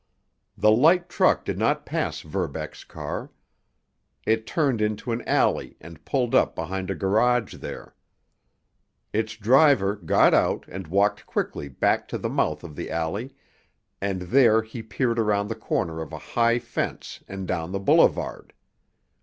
The light truck did not pass Verbeck's car. It turned into an alley and pulled up behind a garage there. Its driver got out and walked quickly back to the mouth of the alley, and there he peered around the corner of a high fence and down the boulevard.